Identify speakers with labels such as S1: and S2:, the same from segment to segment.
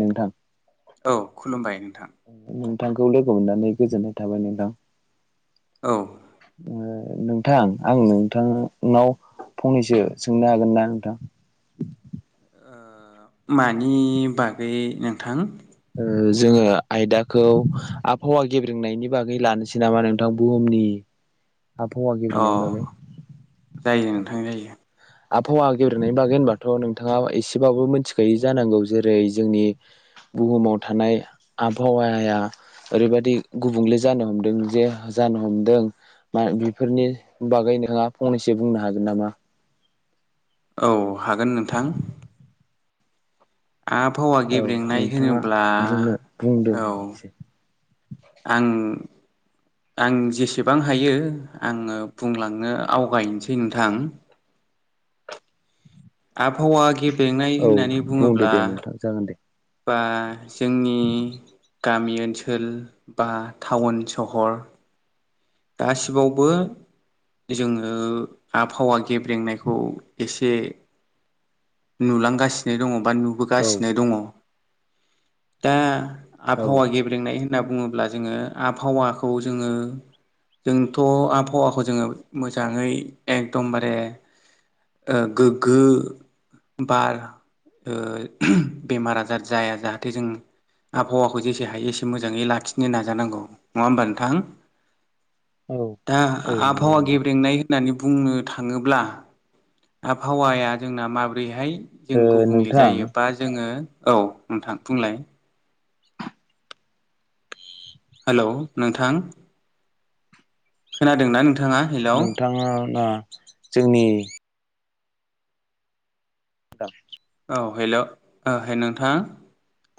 S1: नोंथां।
S2: औ खुलुमबाय नोंथां।
S1: बिथांखौ लोगो मोननानै गोजोननाय थाबाय नोंथां।
S2: औ
S1: नोंथां आं नोंथांनाव फंनैसो सोंनो हागोन ना नोंथां। [inaudible]
S2: ओ मानि बागै नोंथां।
S1: जोङो आयदाखौ आबहावा गेब्रेनायनि बागै लानोसै नामा नोंथां बुहुमनि आबहावा
S2: अ
S1: गनायनि बागै
S2: जायो
S1: उम।
S2: नोंथां जायो
S1: आबहावा गेब्रेनायनि बागै होनबाथ' नोंथाङा एसेबाबो मिथिखायो जानांगौ जेरै जोंनि। बुहुमाव थानाय आबहावाया ओरैबायाददि गुबुंले जानो हमदों जे जानो हमदों। मा बेफोरनि बागै नोंथाङा फंनैसो बुंनो हागोन नामा
S2: औ हागोन नोंथां। आबहावा
S1: औ
S2: गेब्रेंनाय
S1: नोंथाङा
S2: होनोब्ला
S1: बुंनो बुंदो
S2: औ
S1: एसे
S2: आं
S1: [inaudible]
S2: आं जेसेबां हायो आङो बुंलांनो आवगायनोसै नोंथां। आबहावा गेब्लेंनाय
S1: औ
S2: होननानै
S1: बुंदो
S2: बुङोब्ला
S1: दे नोंथां जागोन दे
S2: बा जोंनि गामि ओनसोल बा टाउन सहर गासिबावबो जोङो आबहावा गेब्रेंनायखौ एसे ए नुलांगासिनो दङ बा
S1: औ
S2: नुबोगासिनो दङ। दा
S1: औ
S2: आबहावा गेब्रेंनाय होन होनना बुङोब्ला जोङो आबहावाखौ जोङो जोंथ' आबहावाखौ जोङो मोजाङै एकदमबारे गोग्गो बार ओ बेमार आजार जाया जाहाथे जों। आबहावाखौ जेसे हायो एसे मोजाङै लाखिनो नाजानांगौ नङा होमबा नोंथां।
S1: औ
S2: दा
S1: औ नंगौ
S2: आबहावा
S1: नोंथां
S2: गेब्रेंनाय होननानै बुंनो थाङोब्ला आबहावाया जोंना माबोरैहाय जों
S1: ओ
S2: गुबुंले
S1: नोंथां
S2: जायोबा जोङो औ नोंथां बुंलाय हेल' नोंथां खोनादों ना नदों
S1: नोंथाङा जोंनि दाद।
S2: औ हेल' नोंथां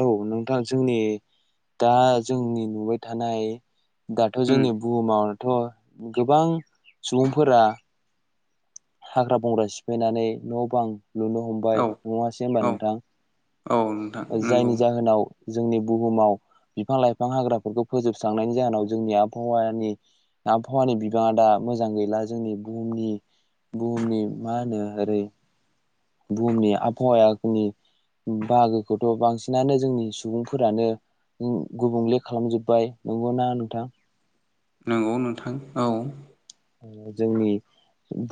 S1: औ नोंथां जोंनि दा जोंनि नुबाय थानाय दाथ'
S2: उम
S1: जोंनि बुहुमावथ' गोबां सुबुंफोरा हाग्रा- बंग्रा सिफायनानै न' बां लुनो हमबाय
S2: औ
S1: नङासै होनबा
S2: औ
S1: नोंथां
S2: औ नोंथां नंगौ
S1: जायनि जाहोनाव जोंनि बुहुमाव बिफां लाइफां हाग्राफोरखौ फोजोबस्रांनायनि जाहोनाव जोंनि आबहावानि आबहावानि बिबाङा दा मोजां गैला जोंनि बुहुमनि बुहुमनि मा होनो ओरै बुहुमनि आबहावायागनि बाहागोखौथ' बांसिनानो जोंनि सुबुंफोरानो गु गुबुंले खालामजोब्बाय नंगौ ना नोंथां?
S2: नंगौ नोंथां औ
S1: जोंनि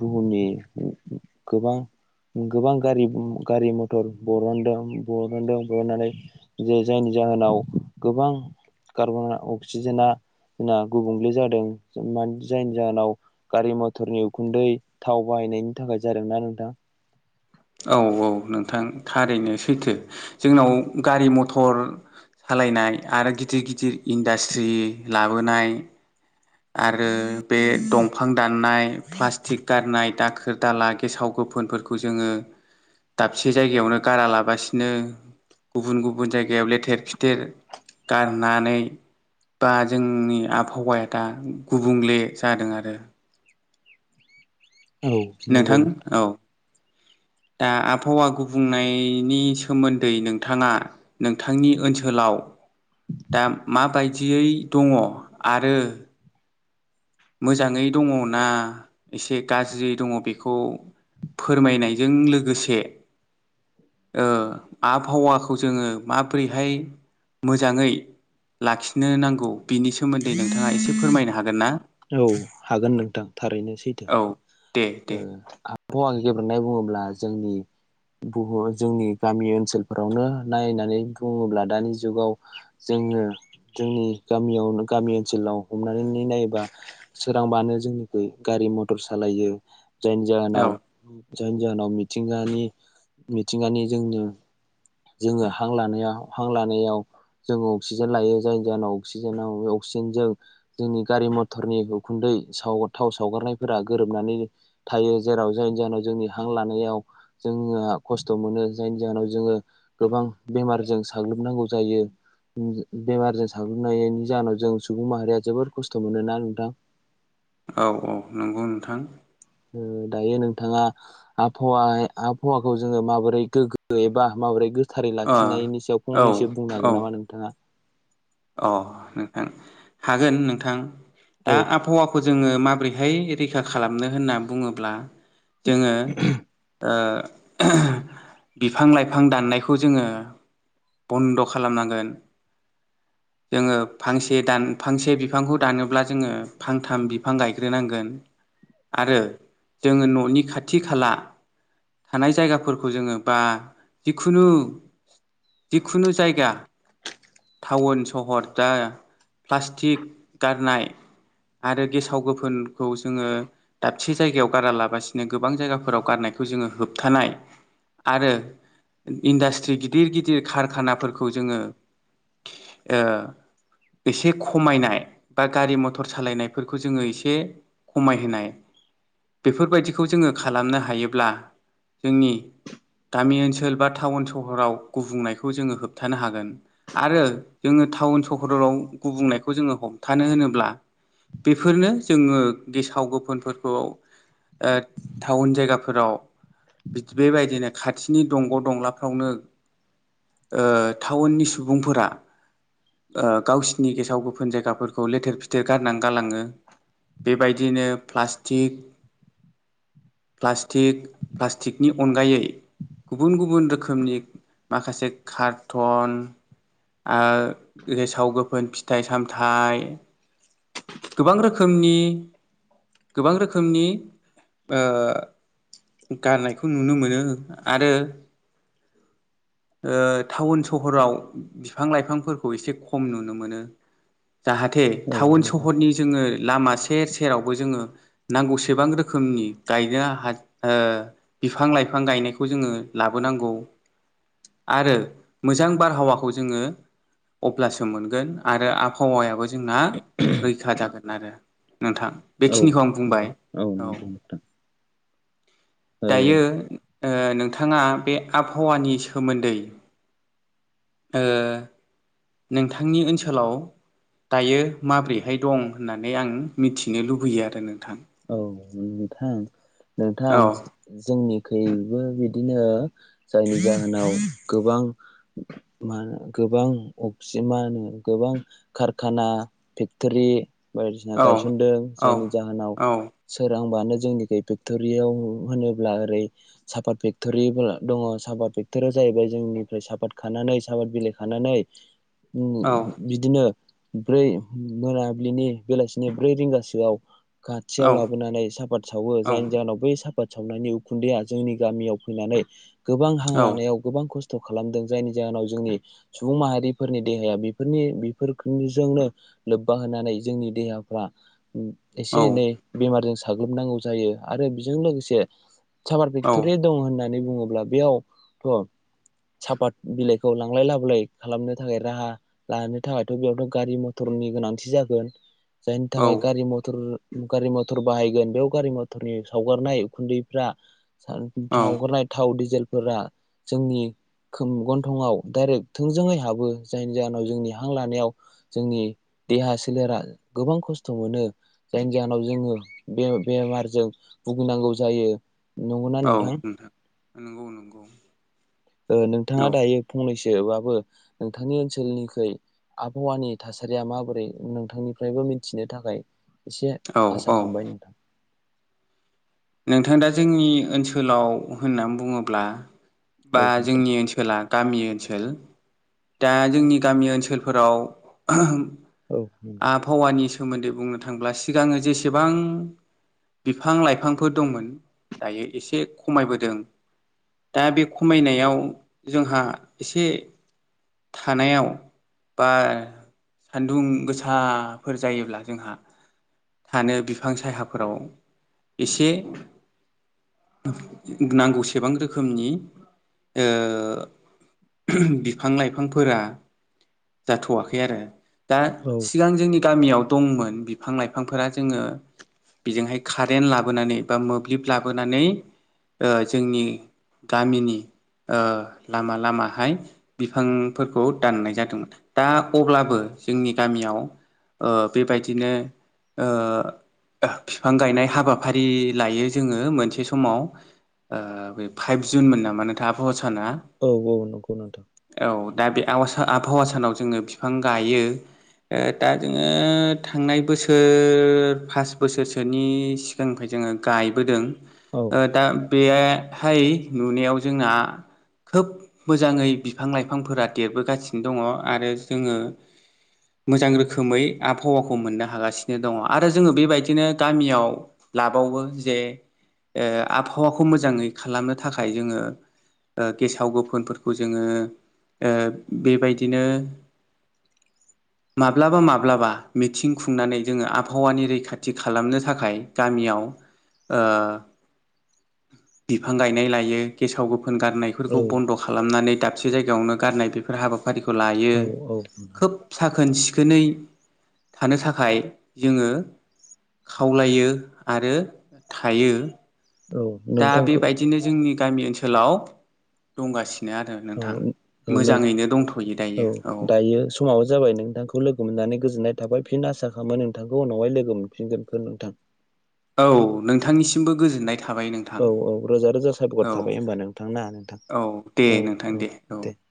S1: बुहुमनि गोबां गोबां गारि गारि मथर बरनदों बरनदों बरननानै जे जोंनि जाहोनाव गोबां कार्बन अक्सिजेना जोंना गुबुंले जादों जायनि जाहोनाव गारि मथरनि उखुन्दै थाव बाहायनायनि थाखाय जादोंना नोंथां।
S2: औ- औ नोंथां थारैनो सैथो जोंनाव गारि मथर सालायनाय आरो गिदिर गिदिर इन्डास्ट्रि लाबोनाय आरो बे दंफां दाननाय प्लास्टिक गारनाय दाखो दाला गेसाव गोफोनफोरखौ जोङो दाबसे जायगायावनो गारा लाबासिनो गुबुन गुबुन जायगायाव लेथेर फिथेर गारनानै बा जोंनि आबहावाया दा गुबुंले जादों आरो
S1: औ नोंगौ
S2: नोंथां औ दा आबहावा गुबुंनायनि सोमोन्दै नोंथाङा नोंथांनि ओनसोलाव दा माबायदियै दङ आरो मोजाङै दङ ना एसे गाज्रि दङ बेखौ फोरमायनायजों लोगोसे ओ आबहावाखौ जोङो माबोरैहाय मोजाङै लाखिनो नांगौ बिनि सोमोन्दै नोंथाङा एसे फोरमायनो हागोन ना।
S1: औ हागोन नोंथां थारैनो सैथो
S2: औ दे
S1: ओ
S2: दे
S1: फआ गेब्रेनाय बुङोब्ला जोंनि बहु जोंनि गामि ओनसोलफोरावनो नायनानै बुङोब्ला दानि जुगाव जों जोङो जोंनि गामियाव गामि ओनसोलाव हमनानै नायोबा सोरांबानो जोंनिखै गारि मटर सालायो जायनि
S2: औ
S1: जाहोनाव जायनि जाहोनाव मिथिंगानि मिथिंगानि जोंनो जोङो हां लानायाव हां लानायाव जोङो अक्सिजेन लायो जायनि जाहोनाव अक्सिजेनाव- [unintelligible] जोंनि गारि मट टरनि उखुन्दै साव थाव सावगारनायफोरा गोरोबनानै थायो जेराव जायनि जाहोनाव जोंनि हां लानायाव जों खस्थ' मोनो जायनि जाहोनाव जोङो गोबां बेमारजों साग्लोबना होबाव जायो उम बेमारजों साग्लोबनायनि जाहोनाव जों सुबुं माहारिया जोबोर खस्थ मोनोना औ दा
S2: औ औ नंगौ नोंथां
S1: ओ दायो नोंथाङा आबहावाय आबहावाखौ जोङो माबोरै गोग्गो एबा माबोरै गोस थारै
S2: ओ
S1: लाखिनायनि सायाव
S2: औ
S1: फंनैसो बुंनो
S2: औ
S1: हागोन नामा नोंथाङा?
S2: अ नोंथां हागोन नोंथां दा
S1: औ
S2: आबहावाखौ जोङो माब्रैहाय रैखा खालामनो होनना बुङोब्ला जोङो ओ बिफां- लाइफां दाननायखौ जोङो बन्द' खालामनांगोन।
S1: [inaudible]
S2: जोङो फांसे दान फांसे बिफांखौ दानोब्ला जोङो फांथाम बिफां गायग्रोनांगोन। आरो जोङो ननि खाथि खाला थानाय जायगाफोरखौ जोङो बा जिखुनु जिखुनु जायगा टाउन सहर दा प्लास्टिक गारनाय आरो गेसाव गोफोनखौ जोङो दाबसे जायगायाव गारा लाबासिनो गोबां जायगाफोराव गारनाय बेखौ जोङो होबथानाय आरो इन्डास्ट्रि गिदिर- गिदिर कारखानाफोरखौ जोङो ओ एसे खमायनाय बा गारि मथर सालायनायफोरखौ जोङो इसे खमायहोनाय। बेफोरबायदिखौ जोङो खालामनो हायोब्ला जोंनि गामि ओनसोल बा टाउन सहराव गुबुंनायखौ जोङो होबथानो हागोन। आरो जोङो टाउन सहराव गुबुंनायखौ जोङो हमथानो होनोब्ला बेफोरनो जोङो गेसाव गोफोनफोरखौ ओ थाउन जायगाफोराव बेबायदिनो खाथिनि दंग' दंलाफ्रावनो ओ टाउननि सुबुंफोरा ओ गावसिनि गेसाव गोफोन जायगाफोरखौ लेथेर फिथेर गारनां गालाङो बेबायदिनो प्लास्टिक प्लास्टिक प्लास्टिकनि अनगायै गुबुन गुबुन रोखोमनि माखासे खार्टन ओ गेसाव गोफोन फिथाइ -सामथाइ गोबां रोखोमनि गोबां रोखोमनि गारनायखौ नुनो मोनो आरो ओ टाउन सहराव बिफां -लाइफांफोरखौ एसे खम नुनो मोनो। जाहाथे
S1: औ
S2: टाउन
S1: नंगौ
S2: सहरनि जोङो लामा सेर- सेरावबो जोङो नांगौसेबां रोखोमनि गायग्रा हा ओ बिफां- लाइ बिफां गायनायखौ जोङो लाबोनांगौ आरो मोजां बारहावा खौ जोङो अब्लासो मोनगोन आरो आबहावायाबो जोंना रैखा जागोन आरो। नोंथां
S1: औ
S2: बेखिनिखौ आं
S1: नंगौ
S2: बुंबाय औ।
S1: नंगौ नोंथां
S2: दायो ओ नोंथाङा बे आबहावानि सोमोन्दै ओ नोंथांनि ओनसोलाव दायो माब्रैहाय दं होननानै आं मिथिनो लुबैयो आरो नोंथां
S1: औ नोंथां नोंथां
S2: औ
S1: जोंनिखैबो बि बिदिनो जायनि जाहोनाव गोबां मा गोबां अक्सि मा होनो गोबां कारखाना फेक्टरि बायदिसिना गायसनदों जायनि जाहोनाव सोरांबानो जोंनिखै फेक्टरियाव होनोब्ला ओरै सापात फेक्टरिफोरा दङ साफ साफाद फेक्टरा जाहैबाय जोंनिफ्राय साफाद खानानै सााबाद बिलाइ खानानै उम बिदिनो ब्रै मोनाबिलिनि बेलासिनि ब्रै रिंगासोआव खाथियाव लाबोनानै साफात सावो जायनि
S2: औ-औ-औ-औ-औ-औ-औ-औ-औ-औ-औ-औ-औ-औ
S1: जाहोनाव बै सा आबाद सावनायनि उखुन्दैया जोंनि गामियाव फैनानै गोबां हां लानायाव गोबां खस्थ' खस्थ' खालामदों जायनि जाहोनाव जोंनि सुबुं माहारिफोरनि देहाया बिफोरनि बिफोरखोनिजोंनो लोब्बा होनानै जोंनि देहाफ्रा एसे- एनै बेमारजों साग्लोबनांगौ जायो आरो बेजों लोगोसे साबार फेक्टरि दं होननानै बुङोब्ला बेयावथ' साफात बिलाइखौ लांलाय लाबोलाय खालामनो थाखाय राहा लानो थाखायथ' बेयावथ' गारि मथर नि गोनांथि जागोन जायनि थाखाय गारि मथर गारि मथर बाहायगोन बेयाव गारि मथरनि सावगारनाय उखुन्दैफ्रा थग्राय थाव डिजेलफोरा जोंनि [unintelligible] खोम गन्थंआव डाइरेक्ट थोंजोङै हाबो जायनि जाहोनाव जोंनि हां लानायाव जोंनि देहा सोलेरा गोबां खस्थ' मोनो जायनि गियानाव जोङो बे बेमारजों भुगिनांगौ जायो नंगौना नोंथां
S2: नंगौ नंगौ
S1: ओ नोंथाङा दायो फंनैसोबाबो नोंथांनि ओनसोलनिख्रुय आबहावानि थासारिया माबोरै नोंथांनिफ्रायबो मिथिनो थाखाय एसे
S2: औ-औ-औ
S1: आसा खालामबाय नोंथां
S2: नोंथां दा जोंनि ओनसोलाव होननानै बुङोब्ला
S1: औ
S2: बा
S1: नोंथां
S2: जोंनि ओनसोला गामि ओनसोल दा जोंनि गामि ओनसोलफोराव
S1: औ
S2: आबहावानि सोमोन्दै बुंनो थाङोब्ला सिगाङो जेसेबां बिफां लाइफां फोर दंमोन दायो एसे खमायबोदों दा बे खमायनायाव जोंहा एसे थानायाव बा सान्दुं गोसाफोर जायोब्ला जोंहा थानो बिफां सायााफोराव एसे नांगौसेबां रोखोमनि ओ बिफां लाइफांफोरा जाथ'वाखै आरो दा
S1: औ
S2: सिगां जोंनि गामियाव दंमोन बिफां लाइफांफोरा जोंङो बिजोंहाय कारेन लाब लाबोनानै बा मोब्लिब लाबोनानै ओ जोंनि गामिनि ओ लामा लामाहाय बिफांफोरखौ दाननाय जादोंमोन दा अब्लाबो जोंनि गामियाव ओ बेबायदिनो ओ फिफां गायनाय हाबा हाबाफारि लायो जोङो मोनसे समाव बे ओ फाइभ जुन मोन नामा नोंथाङ
S1: औ औ नंगौ नोंथां
S2: औ दा बे आवा आबहावा सानाव जोङो बिफां गायो ओ दा जोङो थांनाय बोसोर पास बोसोरसोनि सि जोंखै जोङो गायबोदों
S1: औ
S2: ओ दा बे हाय नुनायाव जोंहा खोब मोजाङै बिफां लाइफांफोरा देरबोगासिनो दङ आरो जोङो मोजां रोखोमै आबहावाखौ मोननो हागासिनो दङ आरो जोङो बेबायदिनो गामियाव लाबावो जे आबहावाखौ मोजाङै खालामनो थाखाय जोङो ओ गेसाव गोफोनफोरखौ जोङो बेबायदिनो
S1: [inaudible]
S2: माब्लाबा माब्लाबा मिथिं खुंनानै जोङो आबहावानि रैखाथि खालामनो थाखाय गामियाव ओ बिफां गायनाय लायो गेसाव गो गानायफोरखौ
S1: औ
S2: बन्द' खालामनानै दाबसे जायगायावनो गारनाय बेफोर हाबा फारिखौ लायो
S1: औ औ
S2: खोब साखोन सिख दिनै थानो थाखाय जोङो खावलायो आरो थायो
S1: औ
S2: दा
S1: नोंथांखौ
S2: बेबायदिनो जोंनि गामि ओनसोलाव दंगासिनो आरो
S1: औ
S2: नोंथां
S1: औ
S2: मोजाङैनो दंथ'यो दायो
S1: औ दायो समाबो जाबाय नोंथांखौ लोगो मोना नानै गोजोननाय थाबाय फिन आसा खालामो नोंथांखौ उनावहाय लोगो मोनफिनगोन नोंथां
S2: औ नोंथांनिसिमबो गोजोननाय थाबाय नोंथां
S1: औ औ रोजा रोजा साबायखर
S2: औ
S1: थाबाय होमबा नोंथां ना नोंथां
S2: औ दे
S1: औ
S2: नोंथां
S1: औ दे [inaudible]